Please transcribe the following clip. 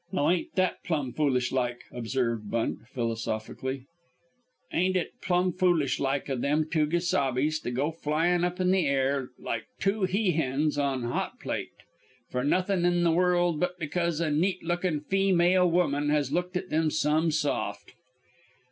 "Now ain't that plum foolish like," observed Bunt, philosophically. "Ain't it plum foolish like o' them two gesabes to go flyin' up in the air like two he hens on a hot plate for nothin' in the world but because a neat lookin' feemale woman has looked at 'em some soft?